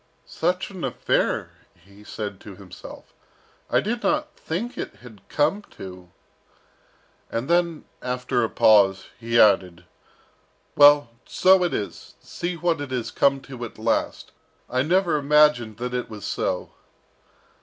"Such an affair!" he said to himself. "I did not think it had come to " and then after a pause, he added, "Well, so it is! see what it has come to at last! and I never imagined that it was so!"